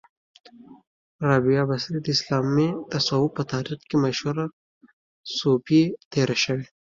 را بعه بصري د اسلامې تصوف په تاریخ کې مشهوره صوفۍ تیره شوی